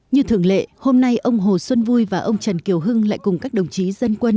như thường lệ hôm nay ông hồ xuân vui và ông trần kiều hưng lại cùng các đồng chí dân quân